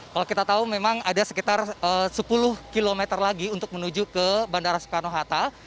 kalau kita tahu memang ada sekitar sepuluh km lagi untuk menuju ke bandara soekarno hatta